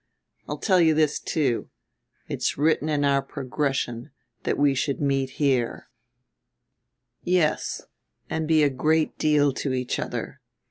I'll tell you this too: It's written in our progression that we should meet here, yes, and be a great deal to each other.